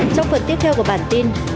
trong phần tiếp theo của bản tin